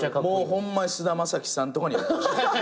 ホンマ菅田将暉さんとかにやってほしい。